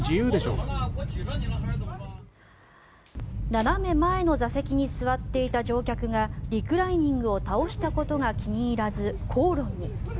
斜め前の座席に座っていた乗客がリクライニングを倒したことが気に入らず口論に。